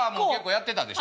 やってたでしょ？